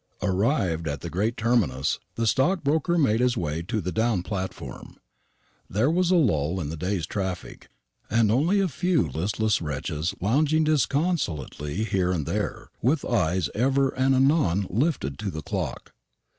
Arrived at the great terminus, the stockbroker made his way to the down platform. There was a lull in the day's traffic, and only a few listless wretches lounging disconsolately here and there, with eyes ever and anon lifted to the clock.